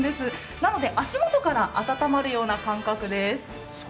なので足元から温まるような感覚です。